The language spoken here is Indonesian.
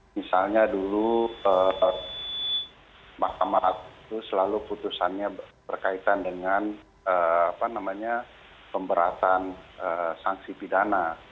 misalnya dulu mahkamah agung itu selalu putusannya berkaitan dengan pemberatan sanksi pidana